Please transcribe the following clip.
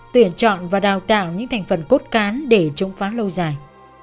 tuyển chọn và đào tạo những thành phần cốt cán để chống phá lâu dài